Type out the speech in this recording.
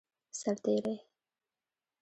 سرتیری